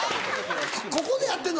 ここでやってんの？